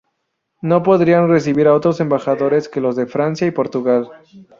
No podrían recibir a otros embajadores que los de Francia y Portugal.